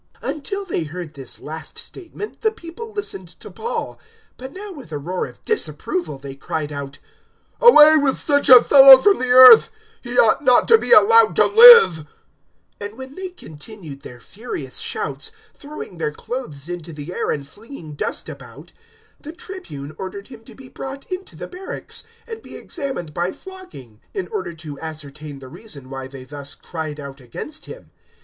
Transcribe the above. '" 022:022 Until they heard this last statement the people listened to Paul, but now with a roar of disapproval they cried out, "Away with such a fellow from the earth! He ought not to be allowed to live." 022:023 And when they continued their furious shouts, throwing their clothes into the air and flinging dust about, 022:024 the Tribune ordered him to be brought into the barracks, and be examined by flogging, in order to ascertain the reason why they thus cried out against him.